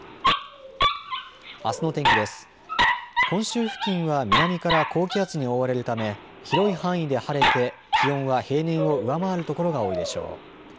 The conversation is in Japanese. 本州付近は南から高気圧に覆われるため広い範囲で晴れて気温は平年を上回る所が多いでしょう。